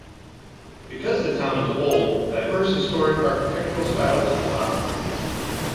Because the town is old, diverse historic architectural styles abound.